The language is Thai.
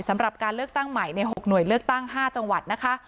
สำหรับการเลือกตั้งใหม่ใน๖หน่วยเลือกตั้ง๕จังหวัดนะคะ